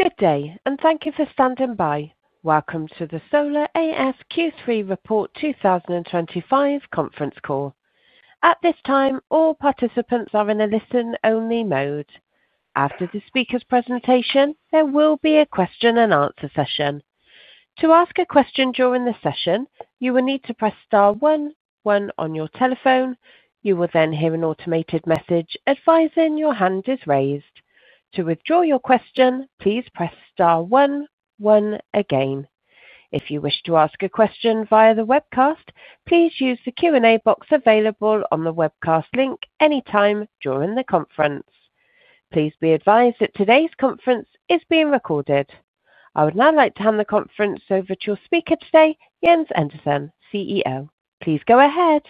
Good day, and thank you for standing by. Welcome to the Solar AS Q3 Report 2025 conference call. At this time, all participants are in a listen-only mode. After the speaker's presentation, there will be a question-and-answer session. To ask a question during the session, you will need to press star one one, on your telephone. You will then hear an automated message advising your hand is raised. To withdraw your question, please press Star one, one again. If you wish to ask a question via the webcast, please use the Q&A box available on the webcast link anytime during the conference. Please be advised that today's conference is being recorded. I would now like to hand the conference over to your speaker today, Jens Andersen, CEO. Please go ahead.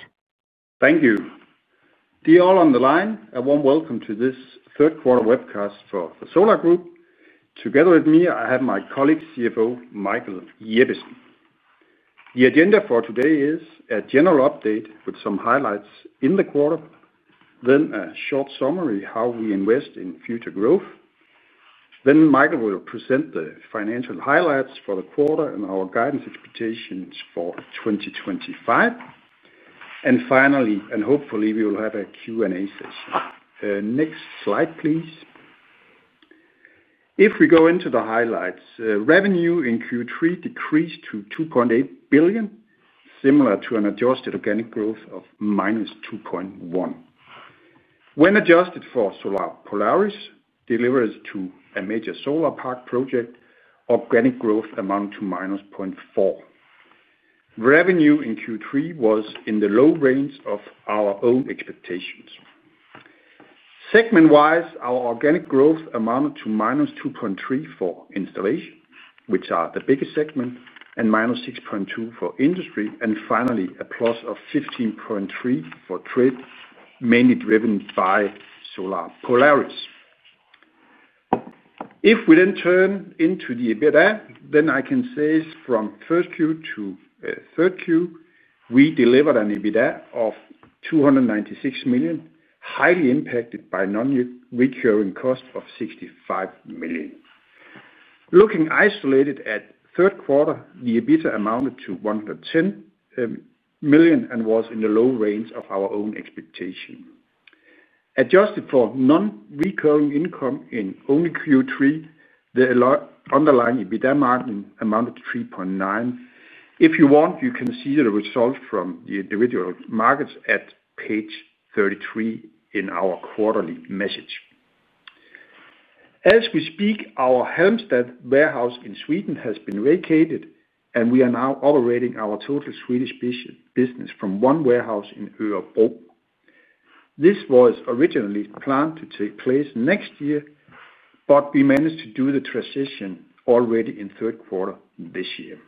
Thank you. Dear all on the line, a warm welcome to this third-quarter webcast for the Solar Group. Together with me, I have my colleague, CFO Michael Jeppesen. The agenda for today is a general update with some highlights in the quarter, then a short summary of how we invest in future growth. Michael will present the financial highlights for the quarter and our guidance expectations for 2025. Finally, and hopefully, we will have a Q&A session. Next slide, please. If we go into the highlights, revenue in Q3 decreased to 2.8 billion, similar to an adjusted organic growth of -2.1%. When adjusted for Solar Polaris, delivered to a major solar park project, organic growth amounted to -0.4%. Revenue in Q3 was in the low range of our own expectations. Segment-wise, our organic growth amounted to -2.3% for installation, which are the biggest segment, and -6.2% for industry, and finally a plus of 15.3% for trade, mainly driven by Solar Polaris. If we then turn into the EBITDA, then I can say from first Q to third Q, we delivered an EBITDA of 296 million, highly impacted by non-recurring cost of 65 million. Looking isolated at third quarter, the EBITDA amounted to 110 million and was in the low range of our own expectation. Adjusted for non-recurring income in only Q3, the underlying EBITDA margin amounted to 3.9%. If you want, you can see the result from the individual markets at page 33 in our quarterly message. As we speak, our Halmstad warehouse in Sweden has been vacated, and we are now operating our total Swedish business from one warehouse in Örebro. This was originally planned to take place next year, but we managed to do the transition already in third quarter this year.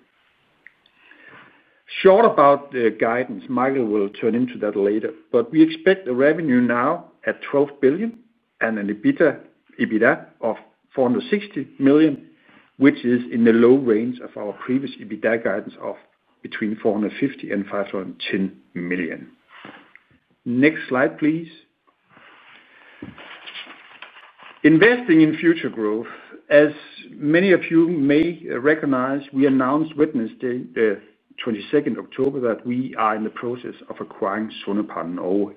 Short about the guidance, Michael will turn into that later, but we expect the revenue now at 12 billion and an EBITDA of 460 million, which is in the low range of our previous EBITDA guidance of between 450 million and 510 million. Next slide, please. Investing in future growth, as many of you may recognize, we announced on the 22nd of October that we are in the process of acquiring Sonepar in Norway.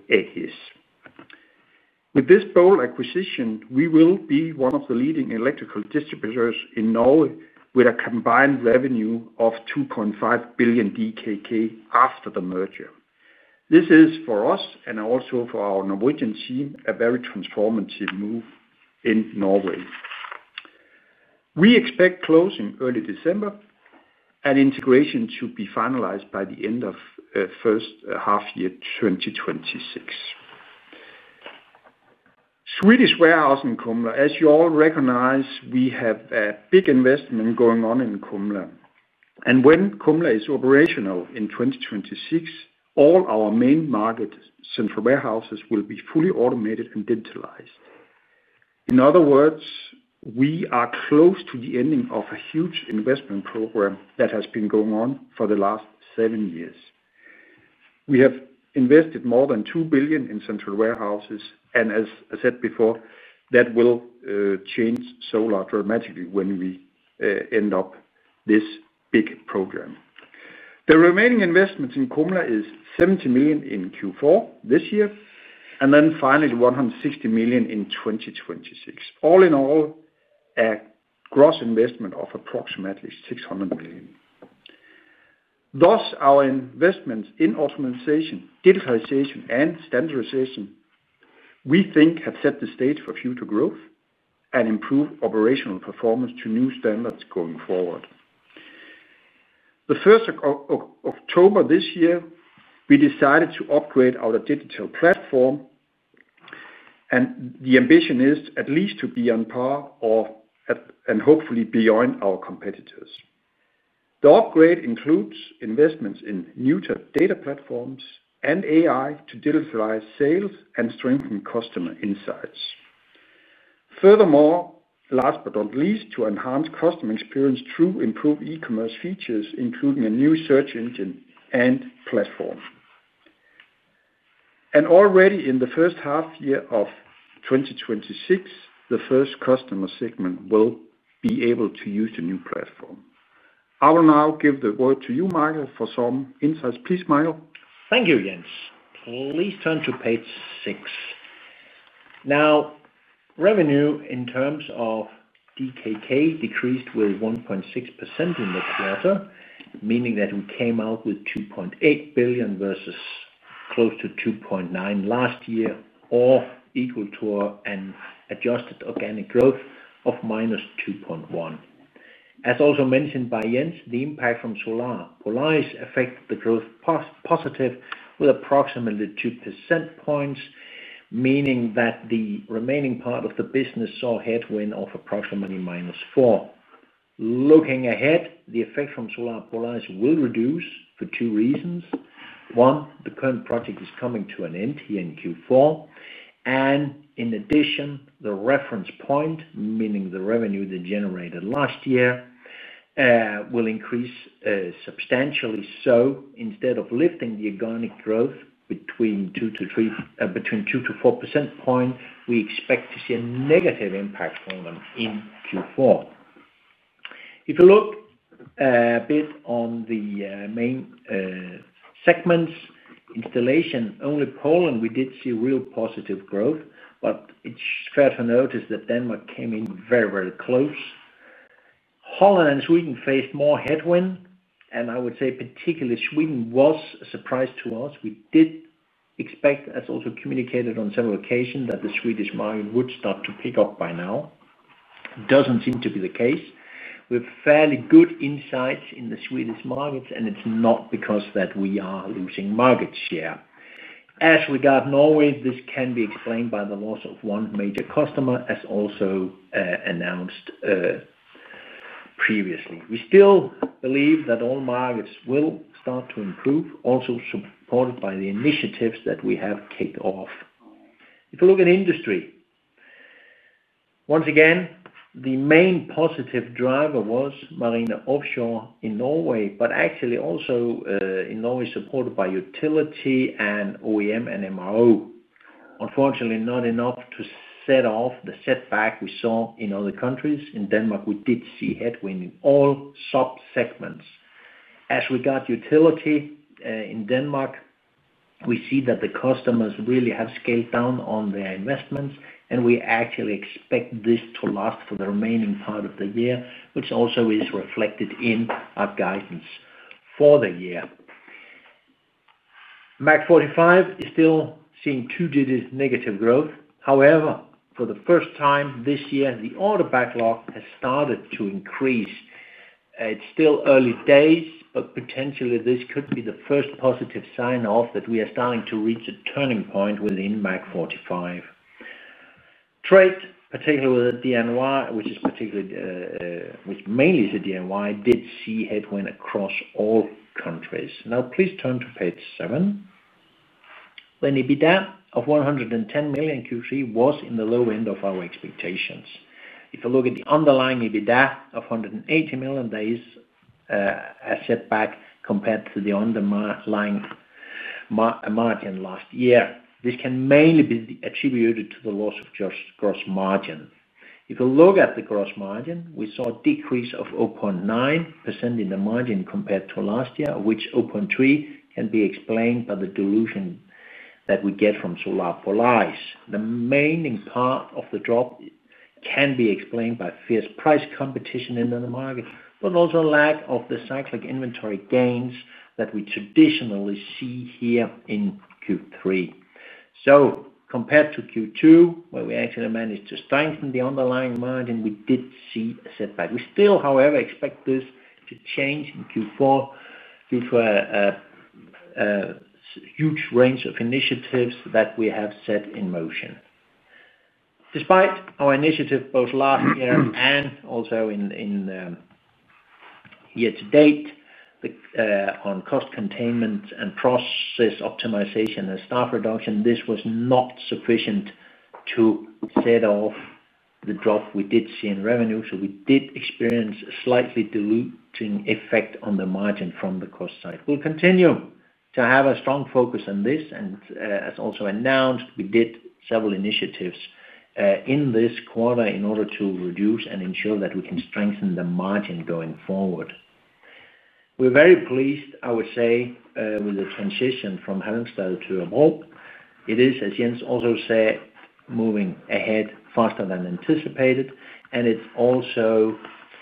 With this bold acquisition, we will be one of the leading electrical distributors in Norway with a combined revenue of 2.5 billion DKK after the merger. This is, for us and also for our Norwegian team, a very transformative move in Norway. We expect closing early December. Integration should be finalized by the end of the first half year 2026. Swedish warehouse in Kumla, as you all recognize, we have a big investment going on in Kumla. When Kumla is operational in 2026, all our main market central warehouses will be fully automated and digitalized. In other words, we are close to the ending of a huge investment program that has been going on for the last seven years. We have invested more than 2 billion in central warehouses, and as I said before, that will change Solar dramatically when we end up this big program. The remaining investment in Kumla is 70 million in Q4 this year, and then finally 160 million in 2026. All in all, a gross investment of approximately 600 million. Thus, our investments in optimization, digitalization, and standardization. We think, have set the stage for future growth and improve operational performance to new standards going forward. The first of October this year, we decided to upgrade our digital platform. The ambition is at least to be on par and hopefully beyond our competitors. The upgrade includes investments in new data platforms and AI to digitalize sales and strengthen customer insights. Furthermore, last but not least, to enhance customer experience through improved e-commerce features, including a new search engine and platform. Already in the first half year of 2026, the first customer segment will be able to use the new platform. I will now give the word to you, Michael, for some insights. Please, Michael. Thank you, Jens. Please turn to page six. Now, revenue in terms of DKK decreased with 1.6% in the quarter, meaning that we came out with 2.8 billion versus close to 2.9 billion last year, or equal to an adjusted organic growth of minus 2.1%. As also mentioned by Jens, the impact from Solar Polaris affected the growth positive with approximately 2 percentage points, meaning that the remaining part of the business saw a headwind of approximately minus 4%. Looking ahead, the effect from Solar Polaris will reduce for two reasons. One, the current project is coming to an end here in Q4. In addition, the reference point, meaning the revenue that generated last year, will increase substantially. Instead of lifting the organic growth between 2-4 percentage points, we expect to see a negative impact on them in Q4. If you look a bit on the main. Segments, installation, only Poland, we did see real positive growth, but it's fair to notice that Denmark came in very, very close. Holland and Sweden faced more headwinds, and I would say particularly Sweden was a surprise to us. We did expect, as also communicated on several occasions, that the Swedish market would start to pick up by now. Doesn't seem to be the case. We have fairly good insights in the Swedish markets, and it's not because that we are losing market share. As we got Norway, this can be explained by the loss of one major customer, as also announced previously. We still believe that all markets will start to improve, also supported by the initiatives that we have kicked off. If you look at industry. Once again, the main positive driver was marine offshore in Norway, but actually also in Norway supported by utility and OEM and MRO. Unfortunately, not enough to set off the setback we saw in other countries. In Denmark, we did see headwinds in all subsegments. As we got utility in Denmark, we see that the customers really have scaled down on their investments, and we actually expect this to last for the remaining part of the year, which also is reflected in our guidance for the year. MAC 45 is still seeing two-digit negative growth. However, for the first time this year, the order backlog has started to increase. It's still early days, but potentially this could be the first positive sign off that we are starting to reach a turning point within MAC 45. Trade, particularly with DNY, which mainly is a DNY, did see headwinds across all countries. Now, please turn to page seven. The EBITDA of 110 million in Q3 was in the low end of our expectations. If you look at the underlying EBITDA of 180 million, there is a setback compared to the underlying margin last year. This can mainly be attributed to the loss of gross margin. If you look at the gross margin, we saw a decrease of 0.9% in the margin compared to last year, of which 0.3% can be explained by the dilution that we get from Solar Polaris. The remaining part of the drop can be explained by fierce price competition in the market, but also a lack of the cyclic inventory gains that we traditionally see here in Q3. Compared to Q2, where we actually managed to strengthen the underlying margin, we did see a setback. We still, however, expect this to change in Q4 due to. A huge range of initiatives that we have set in motion. Despite our initiative both last year and also in year to date on cost containment and process optimization and staff reduction, this was not sufficient to set off the drop we did see in revenue. We did experience a slightly diluting effect on the margin from the cost side. We will continue to have a strong focus on this, and as also announced, we did several initiatives in this quarter in order to reduce and ensure that we can strengthen the margin going forward. We are very pleased, I would say, with the transition from Halmstad to Örebro. It is, as Jens also said, moving ahead faster than anticipated, and it is also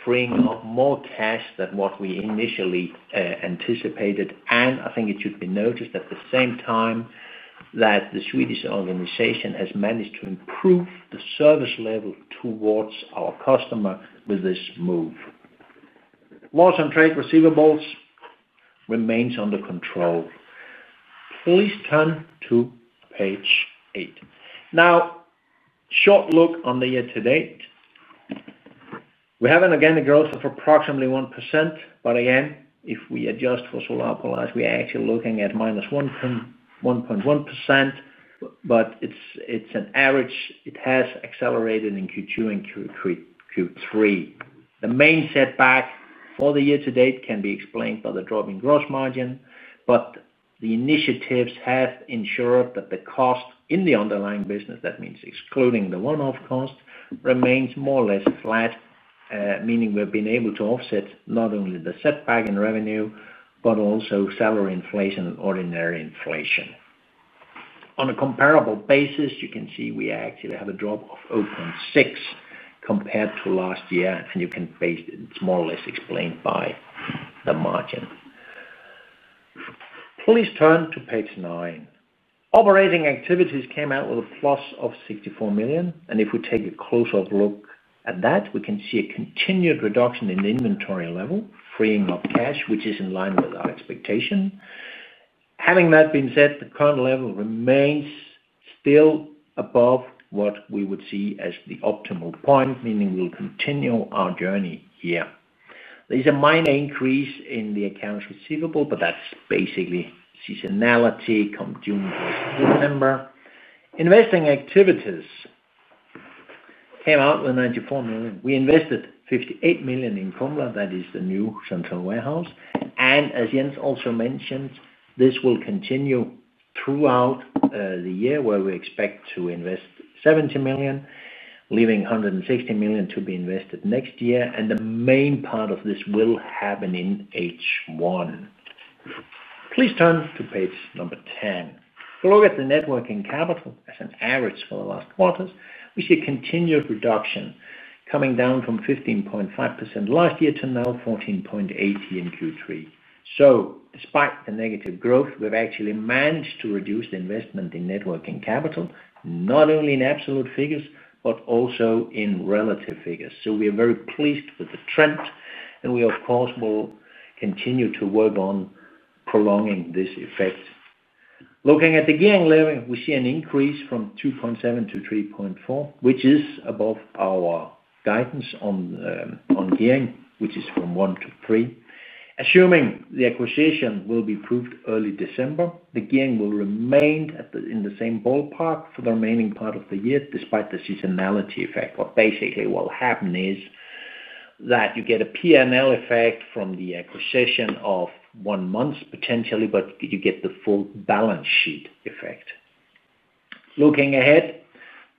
freeing up more cash than what we initially anticipated. I think it should be noticed at the same time that the Swedish organization has managed to improve the service level towards our customer with this move. Loss on trade receivables remains under control. Please turn to page eight. Now, short look on the year to date. We have an organic growth of approximately 1%, but again, if we adjust for Solar Polaris, we are actually looking at minus 1.1%. It is an average. It has accelerated in Q2 and Q3. The main setback for the year to date can be explained by the drop in gross margin, but the initiatives have ensured that the cost in the underlying business, that means excluding the one-off cost, remains more or less flat, meaning we have been able to offset not only the setback in revenue, but also salary inflation and ordinary inflation. On a comparable basis, you can see we actually have a drop of 0.6 compared to last year, and you can base it's more or less explained by the margin. Please turn to page nine. Operating activities came out with a plus of 64 million, and if we take a closer look at that, we can see a continued reduction in the inventory level, freeing up cash, which is in line with our expectation. Having that being said, the current level remains still above what we would see as the optimal point, meaning we'll continue our journey here. There's a minor increase in the accounts receivable, but that's basically seasonality from June to September. Investing activities came out with 94 million. We invested 58 million in Kumla, that is the new central warehouse. As Jens also mentioned, this will continue throughout the year, where we expect to invest 70 million, leaving 160 million to be invested next year, and the main part of this will happen in H1. Please turn to page number 10. If you look at the working capital as an average for the last quarter, we see a continued reduction coming down from 15.5% last year to now, 14.8% in Q3. Despite the negative growth, we've actually managed to reduce the investment in working capital, not only in absolute figures, but also in relative figures. We are very pleased with the trend, and we, of course, will continue to work on prolonging this effect. Looking at the gearing level, we see an increase from 2.7 to 3.4, which is above our guidance on gearing, which is from 1-3. Assuming the acquisition will be approved early December, the gearing will remain in the same ballpark for the remaining part of the year despite the seasonality effect. What basically will happen is that you get a P&L effect from the acquisition of one month potentially, but you get the full balance sheet effect. Looking ahead,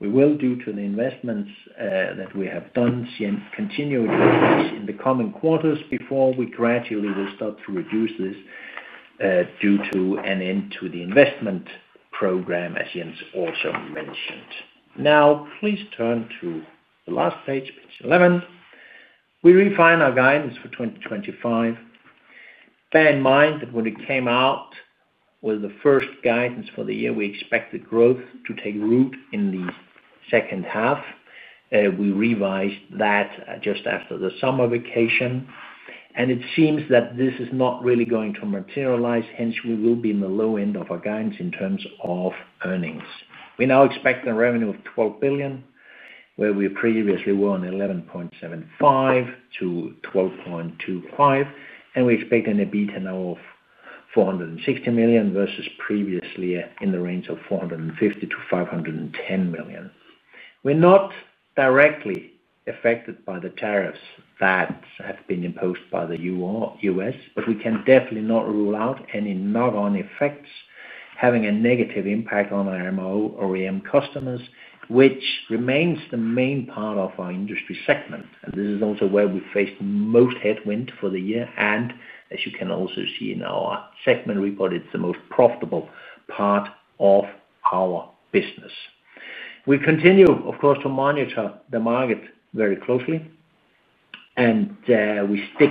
we will, due to the investments that we have done, continue to increase in the coming quarters before we gradually will start to reduce this due to an end to the investment program, as Jens also mentioned. Now, please turn to the last page, page 11. We refine our guidance for 2025. Bear in mind that when it came out with the first guidance for the year, we expected growth to take root in the second half. We revised that just after the summer vacation, and it seems that this is not really going to materialize. Hence, we will be in the low end of our guidance in terms of earnings. We now expect a revenue of 12 billion, where we previously were on 11.75-12.25 billion, and we expect an EBITDA now of 460 million versus previously in the range of 450-510 million. We're not directly affected by the tariffs that have been imposed by the U.S., but we can definitely not rule out any knock-on effects having a negative impact on our MRO OEM customers, which remains the main part of our industry segment. This is also where we faced most headwinds for the year. As you can also see in our segment report, it's the most profitable part of our business. We continue, of course, to monitor the market very closely. We stick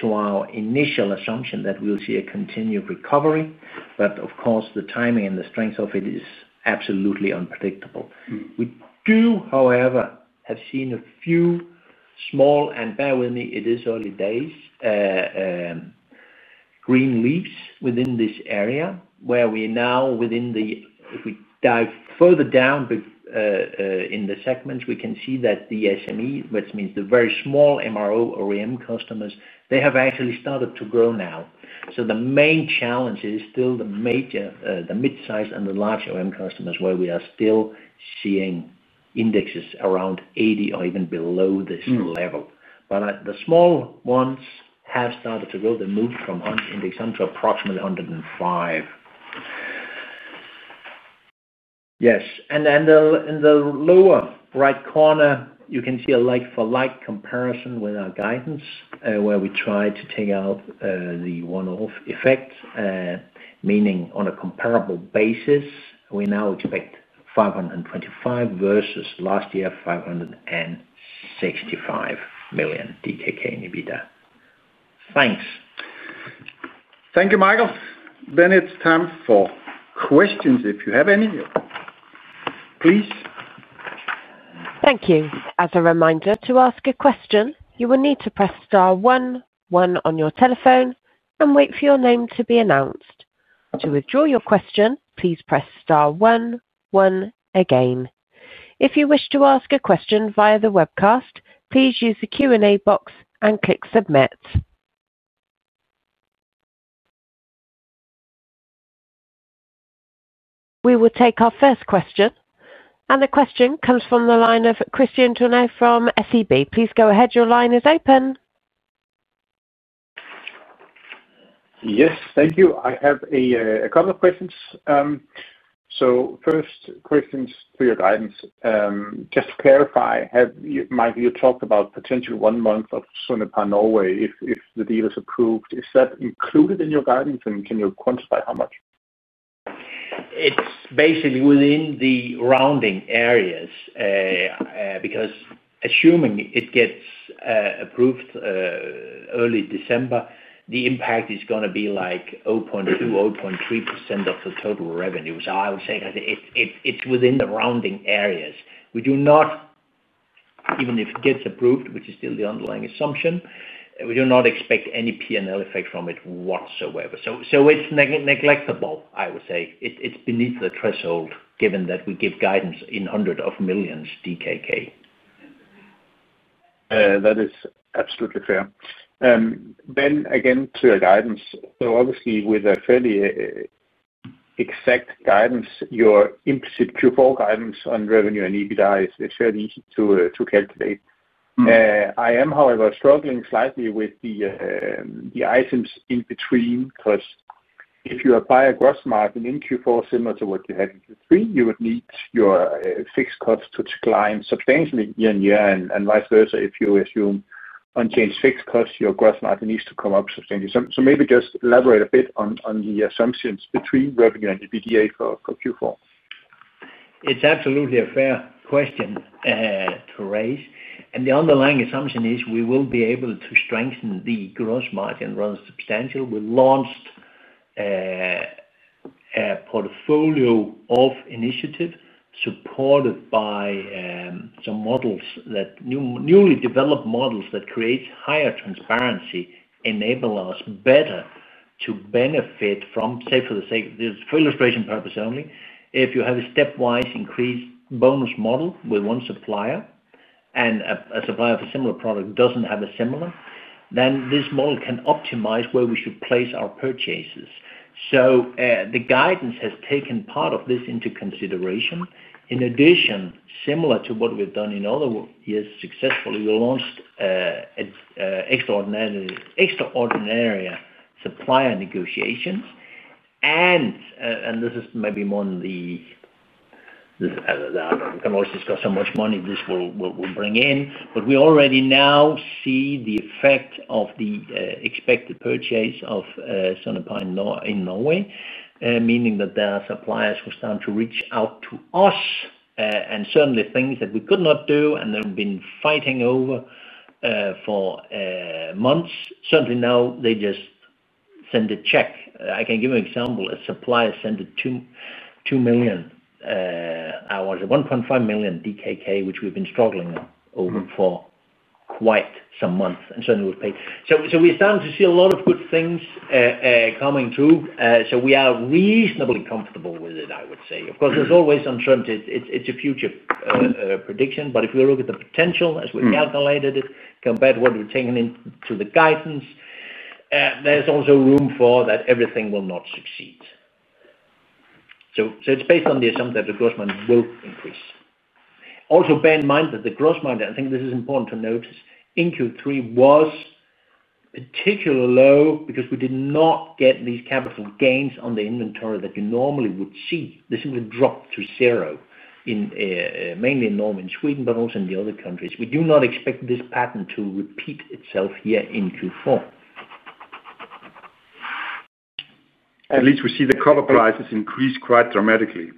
to our initial assumption that we'll see a continued recovery, but, of course, the timing and the strength of it is absolutely unpredictable. We do, however, have seen a few small, and bear with me, it is early days, green leaves within this area where we are now. If we dive further down in the segments, we can see that the SME, which means the very small MRO OEM customers, they have actually started to grow now. The main challenge is still the mid-size and the large OEM customers where we are still seeing indexes around 80 or even below this level. The small ones have started to grow. They moved from index 1 to approximately 105. Yes. In the lower right corner, you can see a like-for-like comparison with our guidance where we tried to take out the one-off effect, meaning on a comparable basis, we now expect 525 million versus last year 565 million DKK in EBITDA. Thanks. Thank you, Michael. It is time for questions if you have any. Please. Thank you. As a reminder, to ask a question, you will need to press star 1, 1 on your telephone, and wait for your name to be announced. To withdraw your question, please press star 1, 1 again. If you wish to ask a question via the webcast, please use the Q&A box and click submit. We will take our first question, and the question comes from the line of Christian Tonneau from SEB. Please go ahead. Your line is open. Yes. Thank you. I have a couple of questions. First, questions for your guidance. Just to clarify, Michael, you talked about potentially one month of Sonepar Norway if the deal is approved. Is that included in your guidance, and can you quantify how much? It's basically within the rounding areas. Because assuming it gets approved early December, the impact is going to be like 0.2-0.3% of the total revenue. I would say it's within the rounding areas. We do not, even if it gets approved, which is still the underlying assumption, we do not expect any P&L effect from it whatsoever. It's neglectable. I would say it's beneath the threshold given that we give guidance in hundreds of millions DKK. That is absolutely fair. Then again, to your guidance, so obviously with a fairly exact guidance, your implicit Q4 guidance on revenue and EBITDA is fairly easy to calculate. I am, however, struggling slightly with the items in between because if you apply a gross margin in Q4 similar to what you had in Q3, you would need your fixed costs to decline substantially year on year and vice versa. If you assume unchanged fixed costs, your gross margin needs to come up substantially. Maybe just elaborate a bit on the assumptions between revenue and EBITDA for Q4. It's absolutely a fair question to raise. The underlying assumption is we will be able to strengthen the gross margin rather substantially. We launched a portfolio of initiatives supported by. Some newly developed models that create higher transparency enable us better to benefit from, say, for illustration purposes only, if you have a stepwise increase bonus model with one supplier, and a supplier of a similar product does not have a similar, then this model can optimize where we should place our purchases. The guidance has taken part of this into consideration. In addition, similar to what we have done in other years successfully, we launched extraordinary supplier negotiations. This is maybe more in the, we can always discuss how much money this will bring in. We already now see the effect of the expected purchase of Sonepar in Norway, meaning that there are suppliers who start to reach out to us. Certainly things that we could not do and have been fighting over for months, certainly now they just send a check. I can give you an example. A supplier sent 2.15 million, which we've been struggling over for quite some months, and certainly we've paid. We are starting to see a lot of good things coming through. We are reasonably comfortable with it, I would say. Of course, there's always uncertainty. It's a future prediction. If we look at the potential, as we calculated it, compared to what we've taken into the guidance, there's also room for that everything will not succeed. It's based on the assumption that the gross margin will increase. Also, bear in mind that the gross margin, I think this is important to notice, in Q3 was particularly low because we did not get these capital gains on the inventory that you normally would see. This simply dropped to zero, mainly in Norway and Sweden, but also in the other countries. We do not expect this pattern to repeat itself here in Q4. At least we see the color prices increase quite dramatically.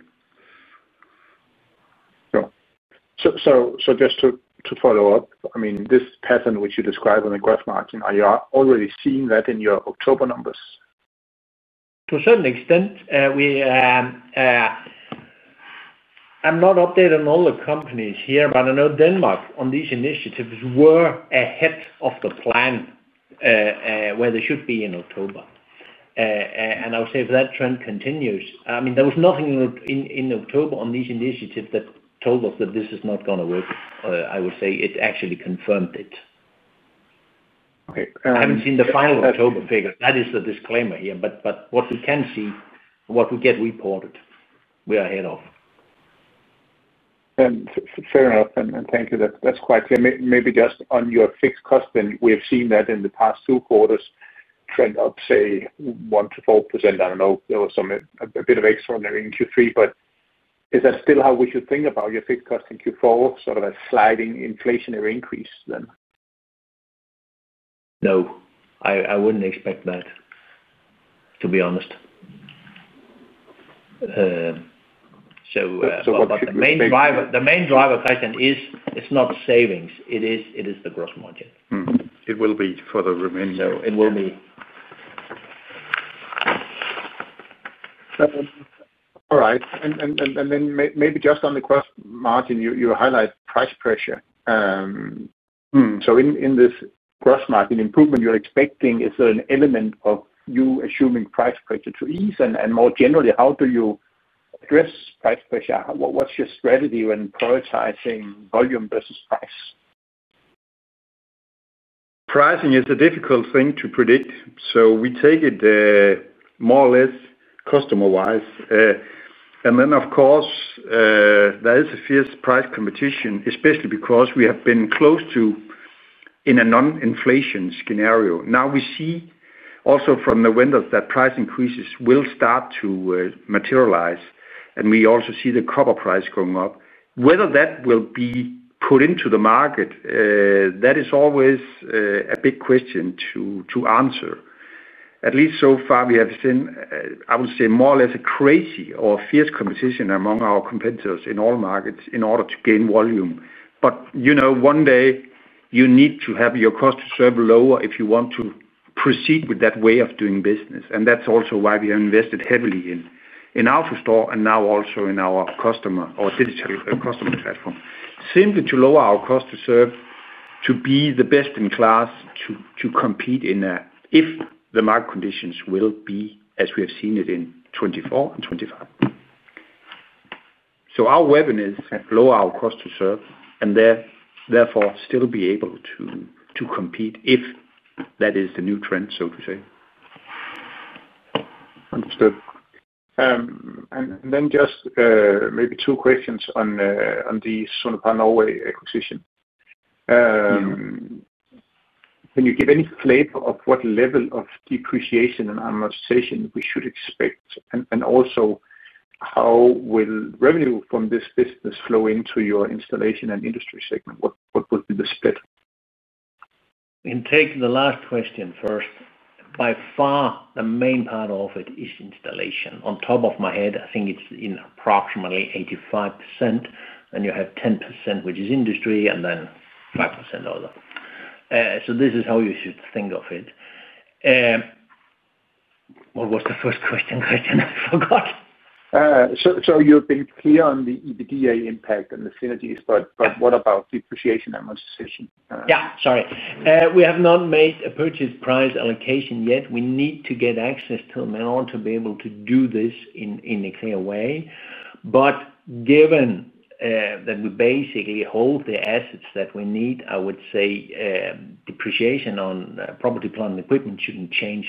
Just to follow up, I mean, this pattern which you described on the gross margin, are you already seeing that in your October numbers? To a certain extent. I'm not updated on all the companies here, but I know Denmark on these initiatives were ahead of the plan. Where they should be in October. I would say if that trend continues, I mean, there was nothing in October on these initiatives that told us that this is not going to work. I would say it actually confirmed it. Haven't seen the final October figure. That is the disclaimer here. What we can see, what we get reported, we are ahead of. Fair enough. Thank you. That's quite clear. Maybe just on your fixed cost, then we have seen that in the past two quarters trend up, say, 1-4%. I don't know. There was a bit of extraordinary in Q3, but is that still how we should think about your fixed cost in Q4, sort of a sliding inflationary increase then? No, I wouldn't expect that, to be honest. So the main driver question is it's not savings. It is the gross margin. It will be for the remaining months. It will be. All right. And then maybe just on the gross margin, you highlight price pressure. So in this gross margin improvement, you're expecting is there an element of you assuming price pressure to ease? And more generally, how do you address price pressure? What's your strategy when prioritizing volume versus price? Pricing is a difficult thing to predict. So we take it. More or less customer-wise. Of course, there is a fierce price competition, especially because we have been close to, in a non-inflation scenario. Now we see also from the vendors that price increases will start to materialize. We also see the cover price going up. Whether that will be put into the market, that is always a big question to answer. At least so far, we have seen, I would say, more or less a crazy or fierce competition among our competitors in all markets in order to gain volume. One day, you need to have your cost to serve lower if you want to proceed with that way of doing business. That is also why we have invested heavily in our store and now also in our customer or digital customer platform. Simply to lower our cost to serve, to be the best in class, to compete if the market conditions will be as we have seen it in 2024 and 2025. Our weapon is lower our cost to serve and therefore still be able to compete if that is the new trend, so to say. Understood. Just maybe two questions on the Sonepar Norway acquisition. Can you give any flavor of what level of depreciation and amortization we should expect? Also, how will revenue from this business flow into your installation and industry segment? What would be the split? Take the last question first. By far, the main part of it is installation. On top of my head, I think it is in approximately 85%, and you have 10%, which is industry, and then 5% other. This is how you should think of it. What was the first question? I forgot. You have been clear on the EBITDA impact and the synergies, but what about depreciation and amortization? Yeah. Sorry. We have not made a purchase price allocation yet. We need to get access to them in order to be able to do this in a clear way. Given that we basically hold the assets that we need, I would say depreciation on property, plant, and equipment should not change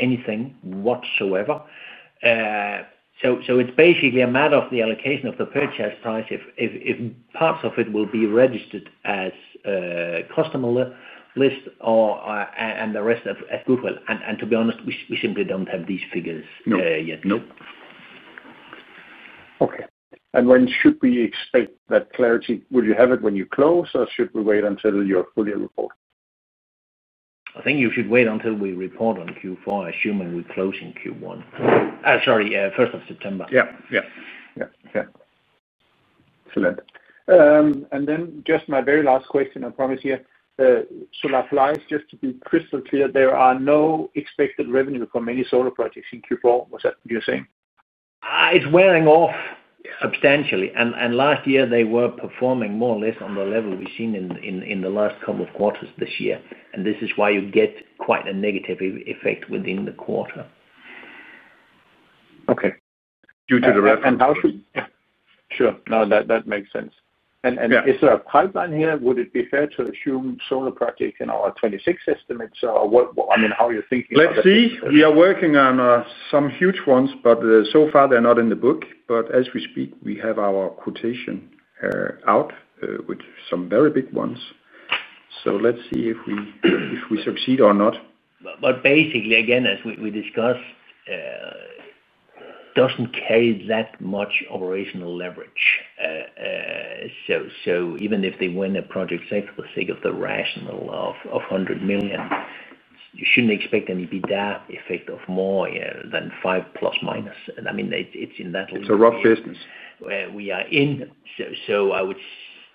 anything whatsoever. It is basically a matter of the allocation of the purchase price if parts of it will be registered as customer list and the rest as goodwill. To be honest, we simply do not have these figures yet. No. Okay. When should we expect that clarity? Will you have it when you close, or should we wait until you are fully reported? I think you should wait until we report on Q4, assuming we close in Q1. Sorry, 1st of September. Yeah. Excellent. And then just my very last question, I promise you. Lastly, just to be crystal clear, there are no expected revenue from any solar projects in Q4. Was that what you're saying? It's wearing off substantially. Last year, they were performing more or less on the level we've seen in the last couple of quarters this year. This is why you get quite a negative effect within the quarter. Okay. Due to the reference. Sure. That makes sense. Is there a pipeline here? Would it be fair to assume solar projects in our 2026 estimates? I mean, how are you thinking about that? Let's see. We are working on some huge ones, but so far, they're not in the book. As we speak, we have our quotation out with some very big ones. Let's see if we succeed or not. Basically, again, as we discussed, it does not carry that much operational leverage. Even if they win a project, say, for the sake of the rationale of 100 million, you should not expect an EBITDA effect of more than 5 million plus or minus. I mean, it is in that range. It is a rough business we are in.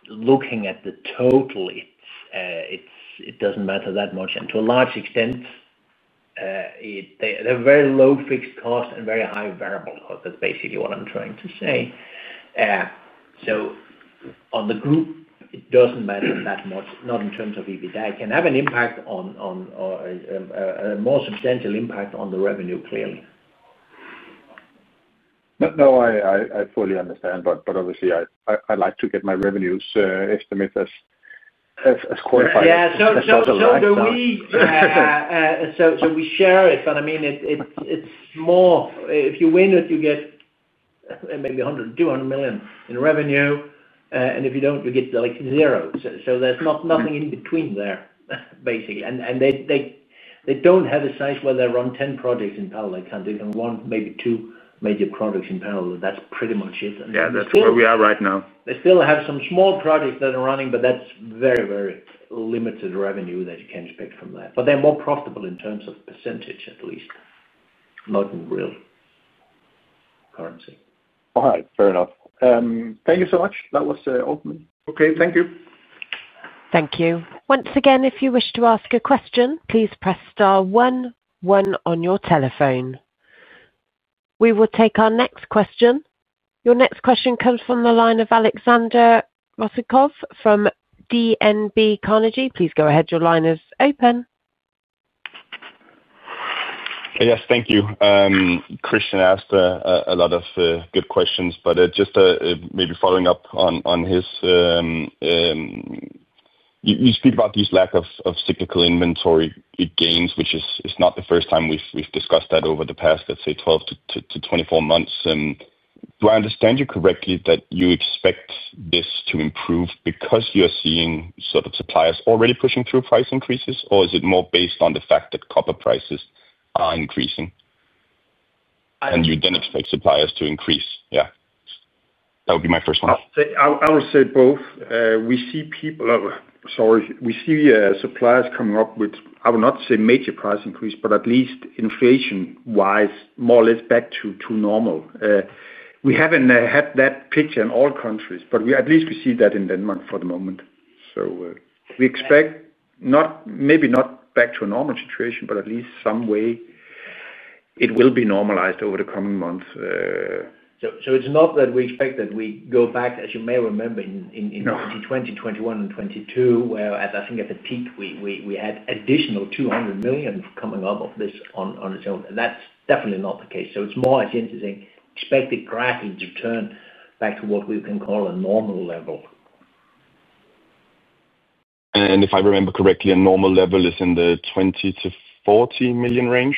Looking at the total, it does not matter that much. To a large extent, there are very low fixed costs and very high variable costs. That is basically what I am trying to say. On the group, it does not matter that much, not in terms of EBITDA. It can have a more substantial impact on the revenue, clearly. No, I fully understand. Obviously, I'd like to get my revenues estimated as qualified. Yeah. So do we. So we share it. I mean, it's more if you win it, you get maybe 100 million-200 million in revenue. If you don't, you get zero. There's nothing in between there, basically. They don't have a size where they run 10 projects in parallel. They can run maybe two major projects in parallel. That's pretty much it. Yeah. That's where we are right now. They still have some small projects that are running, but that's very, very limited revenue that you can expect from that. They're more profitable in terms of percentage, at least. Not in real currency. All right. Fair enough. Thank you so much. That was all for me. Okay. Thank you. Thank you. Once again, if you wish to ask a question, please press star one, one on your telephone. We will take our next question. Your next question comes from the line of Alexander Rosikov from DNB Carnegie. Please go ahead. Your line is open. Yes. Thank you. Christian asked a lot of good questions, but just maybe following up on his. You speak about this lack of cyclical inventory gains, which is not the first time we've discussed that over the past, let's say, 12-24 months. Do I understand you correctly that you expect this to improve because you're seeing sort of suppliers already pushing through price increases, or is it more based on the fact that copper prices are increasing. And you then expect suppliers to increase? Yeah. That would be my first one. I would say both. We see people. Sorry. We see suppliers coming up with, I would not say major price increase, but at least inflation-wise, more or less back to normal. We have not had that picture in all countries, but at least we see that in Denmark for the moment. We expect maybe not back to a normal situation, but at least some way. It will be normalized over the coming months. It is not that we expect that we go back, as you may remember, in 2020, 2021, and 2022, where I think at the peak, we had additional 200 million coming up of this on its own. That is definitely not the case. It is more I see interesting expected cracking to turn back to what we can call a normal level. If I remember correctly, a normal level is in the 20-40 million range?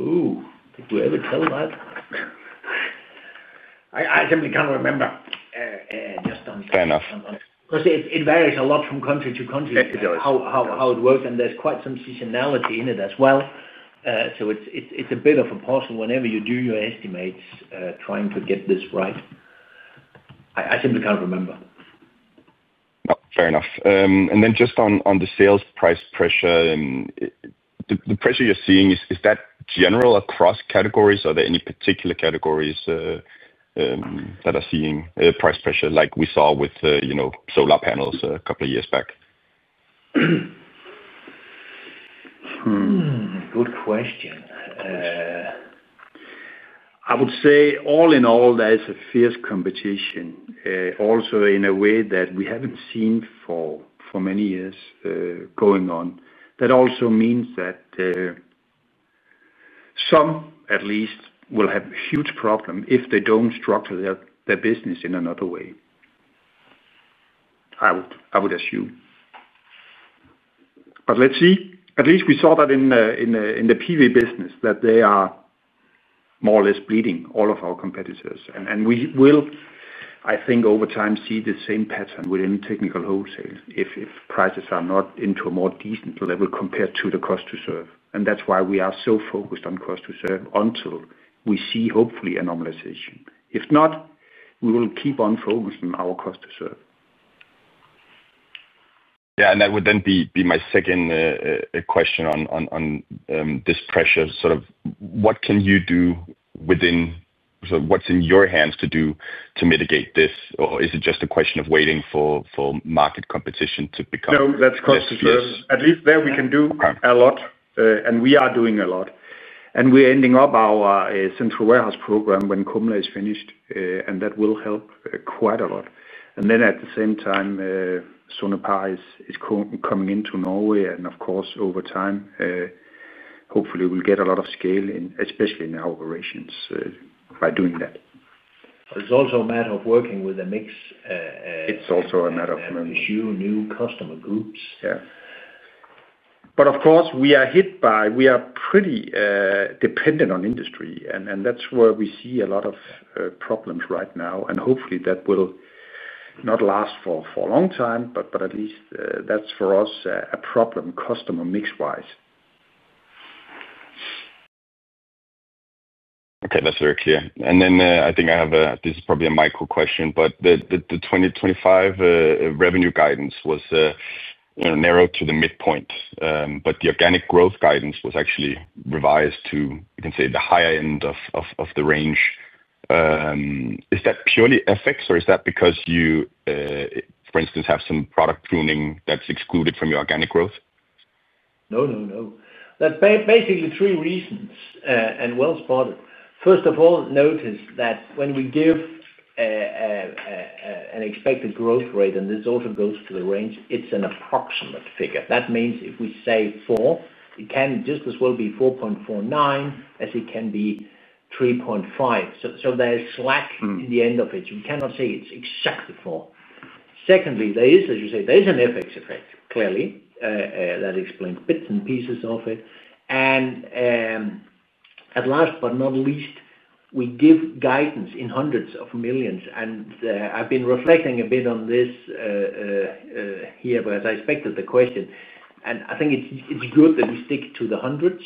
Ooh, did we ever tell that? I simply can't remember. Just don't. Fair enough. Because it varies a lot from country to country. How it works. And there's quite some seasonality in it as well. So it's a bit of a puzzle whenever you do your estimates trying to get this right. I simply can't remember. Fair enough. And then just on the sales price pressure. The pressure you're seeing, is that general across categories? Are there any particular categories that are seeing price pressure like we saw with solar panels a couple of years back? Good question. I would say all in all, there is a fierce competition. Also in a way that we haven't seen for many years going on. That also means that some, at least, will have a huge problem if they don't structure their business in another way. I would assume. But let's see. At least we saw that in the PV business, that they are more or less bleeding all of our competitors. We will, I think, over time see the same pattern within technical wholesale if prices are not into a more decent level compared to the cost to serve. That is why we are so focused on cost to serve until we see, hopefully, a normalization. If not, we will keep on focusing on our cost to serve. Yeah. That would then be my second question on this pressure. Sort of what can you do within, what is in your hands to do to mitigate this? Or is it just a question of waiting for market competition to become necessary? No. That is cost to serve. At least there we can do a lot. We are doing a lot. We're ending up our central warehouse program when Kumla is finished. That will help quite a lot. At the same time, Sonepar is coming into Norway. Of course, over time, hopefully, we'll get a lot of scale, especially in our operations, by doing that. It's also a matter of working with a mix. It's also a matter of a few new customer groups. Of course, we are hit by—we are pretty dependent on industry, and that's where we see a lot of problems right now. Hopefully, that will not last for a long time, but at least that's for us a problem, customer mix-wise. Okay, that's very clear. I think I have a—this is probably a micro question, but the 2025 revenue guidance was narrowed to the midpoint. The organic growth guidance was actually revised to, you can say, the higher end of the range. Is that purely FX, or is that because you, for instance, have some product pruning that's excluded from your organic growth? No, no, no. There are basically three reasons and well spotted. First of all, notice that when we give an expected growth rate, and this also goes to the range, it's an approximate figure. That means if we say 4, it can just as well be 4.49 as it can be 3.5. There is slack in the end of it. You cannot say it's exactly 4. Secondly, as you say, there is an FX effect, clearly. That explains bits and pieces of it. At last, but not least, we give guidance in hundreds of millions. I have been reflecting a bit on this here as I expected the question. I think it's good that we stick to the hundreds.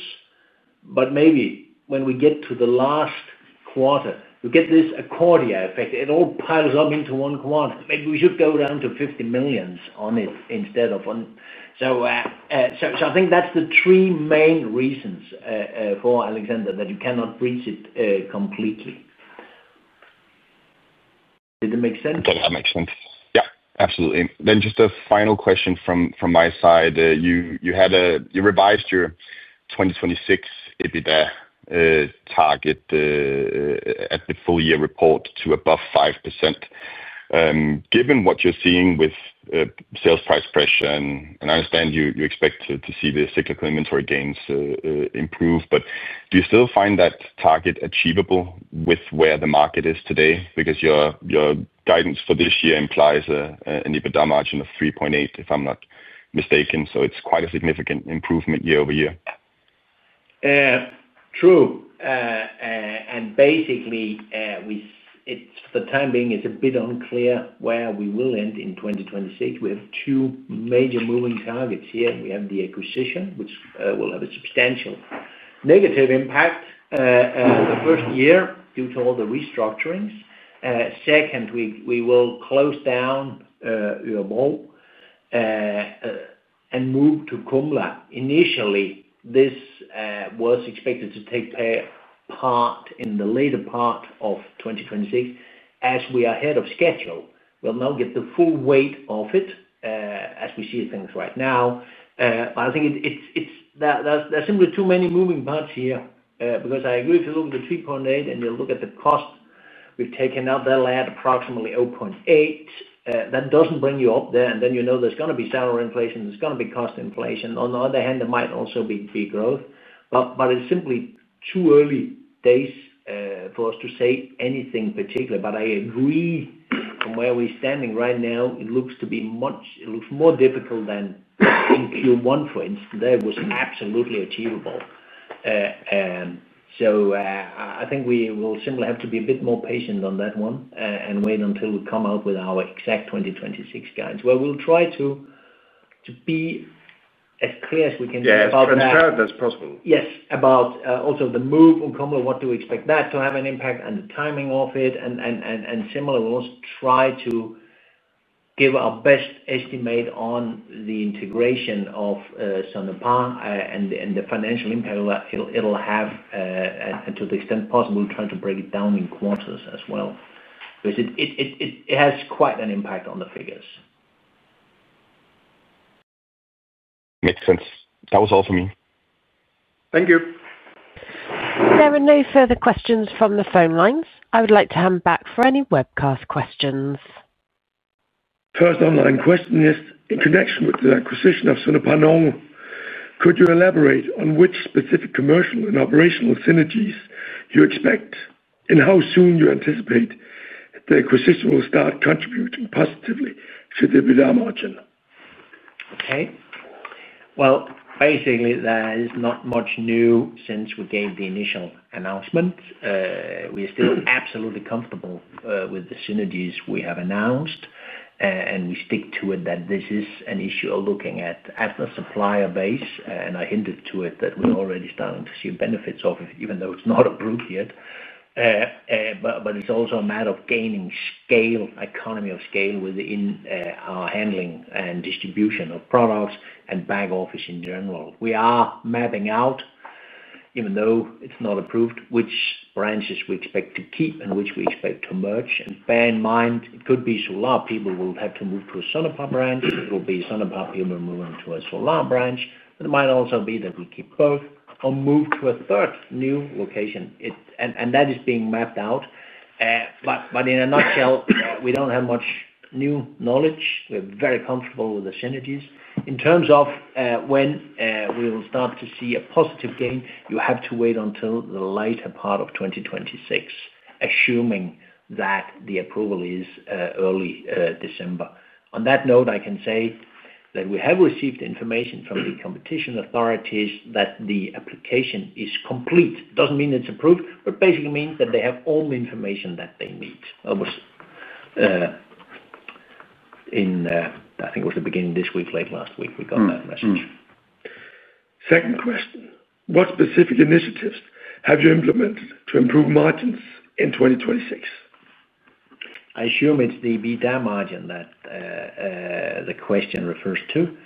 Maybe when we get to the last quarter, we get this accordia effect. It all piles up into one quarter. Maybe we should go down to 50 million on it instead of on. I think that's the three main reasons for Alexander that you cannot breach it completely. Did it make sense? That makes sense. Yeah. Absolutely. Just a final question from my side. You revised your 2026 EBITDA target at the full-year report to above 5%. Given what you're seeing with sales price pressure, and I understand you expect to see the cyclical inventory gains improve, but do you still find that target achievable with where the market is today? Because your guidance for this year implies an EBITDA margin of 3.8%, if I'm not mistaken. It's quite a significant improvement year-over-year. True. Basically, for the time being, it's a bit unclear where we will end in 2026. We have two major moving targets here. We have the acquisition, which will have a substantial negative impact the first year due to all the restructurings. Second, we will close down Örebro and move to Kumla. Initially, this was expected to take part in the later part of 2026. As we are ahead of schedule, we'll now get the full weight of it as we see things right now. I think there's simply too many moving parts here. I agree, if you look at the 3.8 and you look at the cost we've taken out, that'll add approximately 0.8. That doesn't bring you up there. You know there's going to be salary inflation. There's going to be cost inflation. On the other hand, there might also be growth. It is simply too early days for us to say anything particular. I agree, from where we are standing right now, it looks to be much more difficult than in Q1, for instance. That was absolutely achievable. I think we will simply have to be a bit more patient on that one and wait until we come out with our exact 2026 guidance. We will try to be as clear as we can be about that, as transparent as possible. Yes, about also the move on Kumla, what do we expect that to have an impact on the timing of it. Similarly, we will also try to give our best estimate on the integration of Sonepar and the financial impact it will have. To the extent possible, trying to break it down in quarters as well, because it has quite an impact on the figures. Makes sense. That was all for me. Thank you. If there are no further questions from the phone lines, I would like to hand back for any webcast questions. First online question is, in connection with the acquisition of Sonepar Norway, could you elaborate on which specific commercial and operational synergies you expect, and how soon you anticipate the acquisition will start contributing positively to the EBITDA margin? Okay. Basically, there is not much new since we gave the initial announcement. We are still absolutely comfortable with the synergies we have announced. We stick to it that this is an issue of looking at the supplier base. I hinted to it that we're already starting to see benefits of it, even though it's not approved yet. It is also a matter of gaining scale, economy of scale within our handling and distribution of products and back office in general. We are mapping out. Even though it's not approved, which branches we expect to keep and which we expect to merge. Bear in mind, it could be Solar people will have to move to a Sonepar branch. It will be Sonepar people moving to a Solar branch. It might also be that we keep both or move to a third new location. That is being mapped out. In a nutshell, we do not have much new knowledge. We are very comfortable with the synergies. In terms of when we will start to see a positive gain, you have to wait until the later part of 2026, assuming that the approval is early December. On that note, I can say that we have received information from the competition authorities that the application is complete. It does not mean it is approved, but basically means that they have all the information that they need. I think it was the beginning of this week, late last week, we got that message. \ Second question. What specific initiatives have you implemented to improve margins in 2026? I assume it is the EBITDA margin that the question refers to.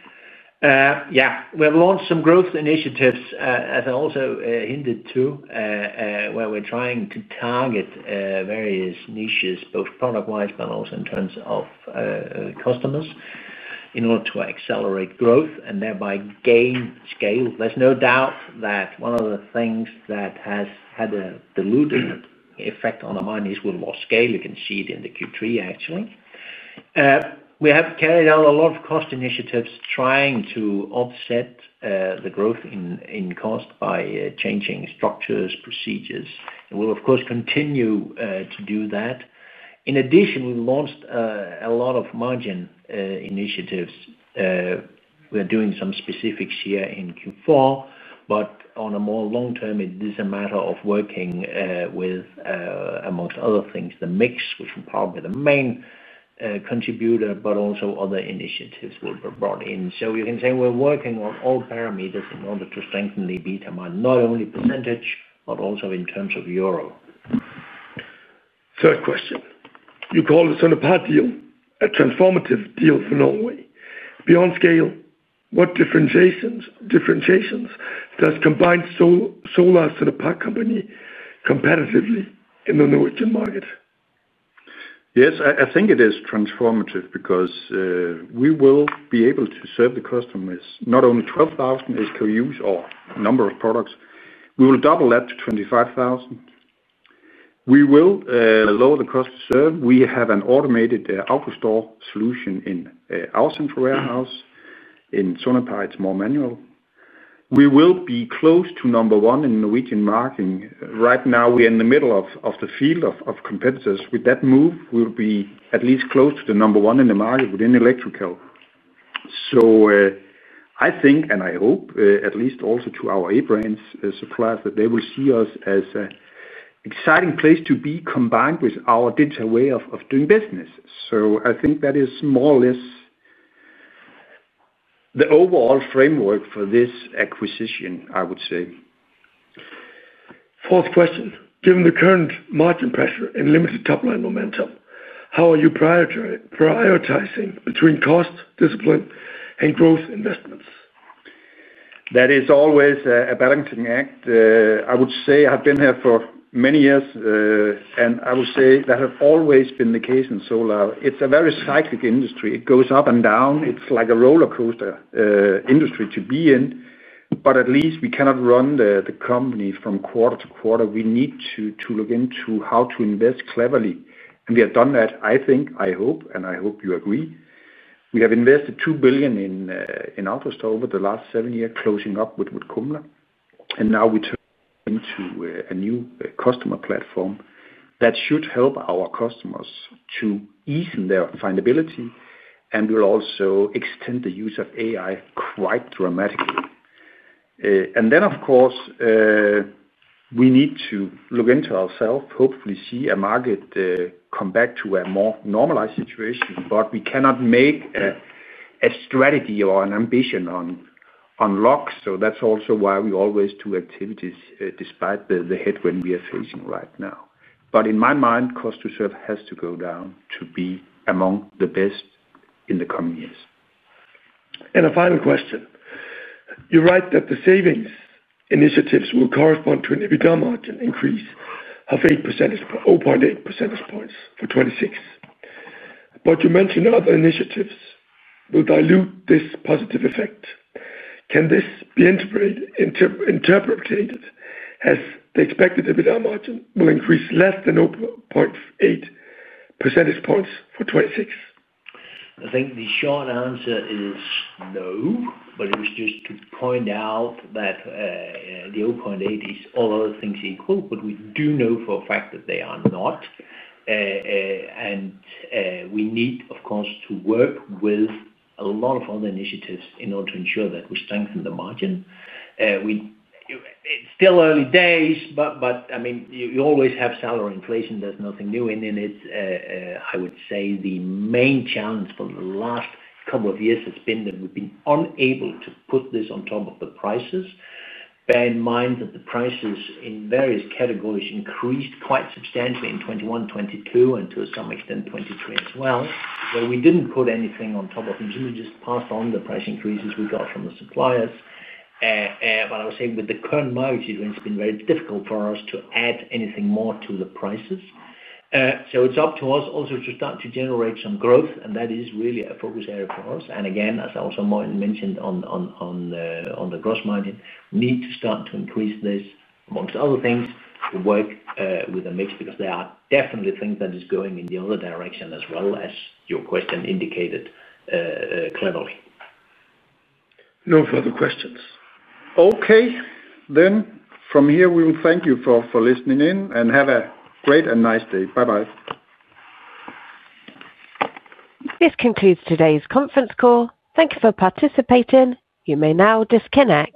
Yeah. We have launched some growth initiatives, as I also hinted to, where we are trying to target various niches, both product-wise but also in terms of customers, in order to accelerate growth and thereby gain scale. There is no doubt that one of the things that has had a diluted effect on the margin is we lost scale. You can see it in the Q3, actually. We have carried out a lot of cost initiatives trying to offset the growth in cost by changing structures, procedures. We will, of course, continue to do that. In addition, we've launched a lot of margin initiatives. We're doing some specifics here in Q4. On a more long term, it is a matter of working with, amongst other things, the mix, which will probably be the main contributor, but also other initiatives will be brought in. You can say we're working on all parameters in order to strengthen the EBITDA margin, not only percentage, but also in terms of euro. Third question. You called it a Sonepar deal, a transformative deal for Norway. Beyond scale, what differentiations does combined Solar Sonepar company competitively in the Norwegian market? Yes. I think it is transformative because we will be able to serve the customers not only 12,000 SKUs or a number of products. We will double that to 25,000. We will lower the cost to serve. We have an automated out-of-store solution in our central warehouse. In Sonepar, it's more manual. We will be close to number one in Norwegian marketing. Right now, we are in the middle of the field of competitors. With that move, we will be at least close to the number one in the market within electrical. I think, and I hope, at least also to our A-brand suppliers, that they will see us as an exciting place to be combined with our digital way of doing business. I think that is more or less the overall framework for this acquisition, I would say. Fourth question. Given the current margin pressure and limited top-line momentum, how are you prioritizing between cost, discipline, and growth investments? That is always a balancing act. I would say I have been here for many years, and I would say that has always been the case in Solar. It is a very cyclical industry. It goes up and down. It's like a roller coaster industry to be in. At least we cannot run the company from quarter to quarter. We need to look into how to invest cleverly. We have done that, I think, I hope, and I hope you agree. We have invested 2 billion in out-of-store over the last seven years, closing up with Kumla. Now we turn into a new customer platform that should help our customers to ease in their findability. We will also extend the use of AI quite dramatically. Of course, we need to look into ourselves, hopefully see a market come back to a more normalized situation. We cannot make a strategy or an ambition on luck. That is also why we always do activities despite the headwind we are facing right now. In my mind, cost to serve has to go down to be among the best in the coming years. A final question. You write that the savings initiatives will correspond to an EBITDA margin increase of 0.8 percentage points for 2026. You mentioned other initiatives will dilute this positive effect. Can this be interpreted as the expected EBITDA margin will increase less than 0.8 percentage points for 2026? I think the short answer is no. It was just to point out that the 0.8 is all other things equal. We do know for a fact that they are not. We need, of course, to work with a lot of other initiatives in order to ensure that we strengthen the margin. It's still early days, but I mean, you always have salary inflation. There's nothing new in it. I would say the main challenge for the last couple of years has been that we've been unable to put this on top of the prices. Bear in mind that the prices in various categories increased quite substantially in 2021, 2022, and to some extent 2023 as well. We didn't put anything on top of it. We just passed on the price increases we got from the suppliers. I would say with the current market, it's been very difficult for us to add anything more to the prices. It is up to us also to start to generate some growth. That is really a focus area for us. Again, as I also mentioned on. The gross margin, we need to start to increase this, amongst other things, to work with a mix because there are definitely things that are going in the other direction as well as your question indicated. Cleverly. No further questions. Okay. From here, we will thank you for listening in and have a great and nice day. Bye-bye. This concludes today's conference call. Thank you for participating. You may now disconnect.